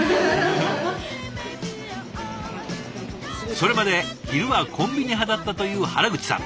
それまで昼はコンビニ派だったという原口さん。